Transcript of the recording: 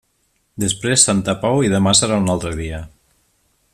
Després santa pau i demà serà un altre dia.